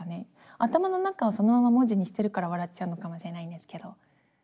頭の中をそのまま文字にしてるから笑っちゃうのかもしれないんですけど。